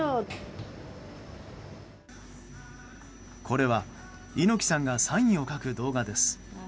これは猪木さんがサインを書く動画です。